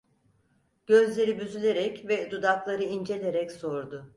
Gözleri büzülerek ve dudakları incelerek sordu: